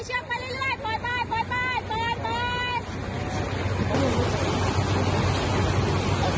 ปล่อยเชือกไปเรื่อยปล่อย